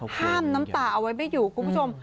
ห้ามน้ำตาเอาไว้ไม่อยู่คุณผู้ชม